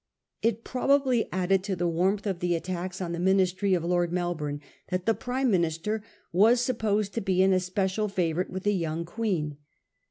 It probably added to the warmth of the attacks on the Ministry of Lord Melbourne that the Prime Minister was supposed to be an especial favourite with the young Queen.